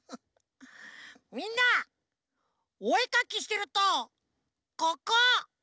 みんなおえかきしてるとここ！